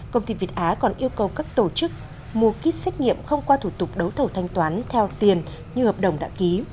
công ty việt á còn yêu cầu các tổ chức mua kit xét nghiệm không qua thủ tục đấu thầu thanh toán theo tiền như hợp đồng đã ký